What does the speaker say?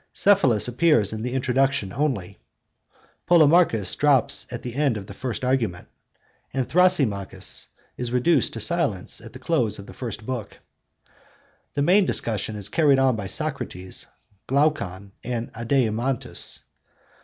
Cephalus appears in the introduction only, Polemarchus drops at the end of the first argument, and Thrasymachus is reduced to silence at the close of the first book. The main discussion is carried on by Socrates, Glaucon, and Adeimantus.